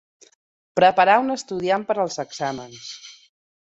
Preparar un estudiant per als exàmens.